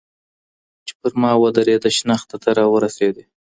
چي پر ما ودرېده شنخته، ته را ورسېدې